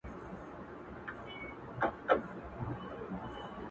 مينه خو وفا غواړي ،داسي هاسي نه كــــيـــږي